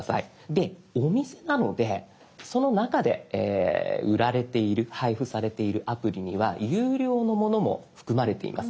でお店なのでその中で売られている配布されているアプリには有料のものも含まれています。